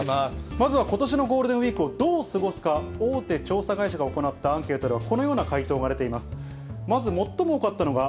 まずはことしのゴールデンウィークをどう過ごすか、大手調査会社が行ったアンケートでは、このような回答が出ています。